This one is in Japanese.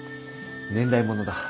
年代物だ。